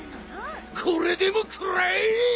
これでもくらえ！